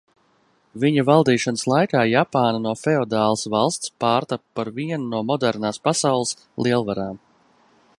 Viņa valdīšanas laikā Japāna no feodālas valsts pārtapa par vienu no modernās pasaules lielvarām.